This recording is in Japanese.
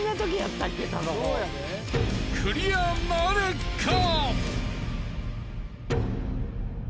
［クリアなるか！？］